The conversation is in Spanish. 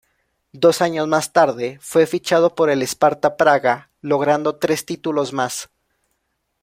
Dos años más tarde fue fichado por el Sparta Praga, logrando tres títulos más.